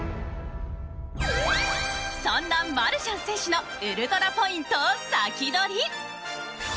そんなマルシャン選手のウルトラポイントをサキドリ！